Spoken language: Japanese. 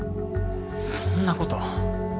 そんなこと。